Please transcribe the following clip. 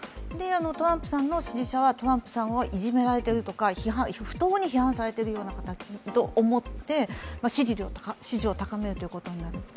トランプさんの支持者はトランプさんがいじめられているとか、不当に批判されているというようなことを思って支持を高めるということになる。